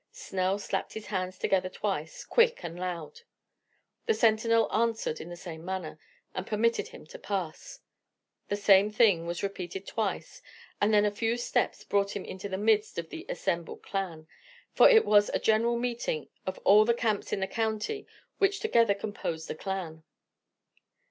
Snell slapped his hands together twice, quick and loud. The sentinel answered in the same manner, and permitted him to pass; the same thing was repeated twice, and then a few steps brought him into the midst of the assembled Klan; for it was a general meeting of all the camps in the county which together composed a Klan.